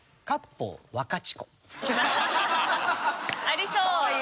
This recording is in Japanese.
ありそう。